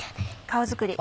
顔作り。